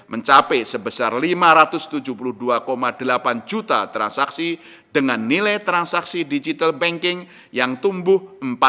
mencapai sebesar lima ratus tujuh puluh dua delapan juta transaksi dengan nilai transaksi digital banking yang tumbuh